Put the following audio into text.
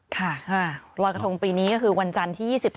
ค่ะค่ะรอยกระทงปีนี้ก็คือวันจันทร์ที่๒๗พฤศจิกายน